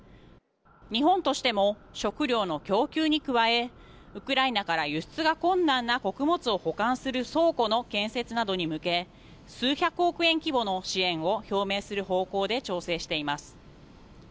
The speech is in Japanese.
日本としても食糧の供給に加えウクライナから輸出が困難な穀物を保管する倉庫の建設などに向け数百億円規模の支援を表明する方向で調整しています。